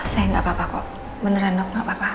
saya nggak apa apa kok beneran gak apa apa